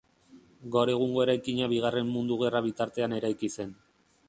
Gaur egungo eraikina Bigarren Mundu Gerra bitartean eraiki zen.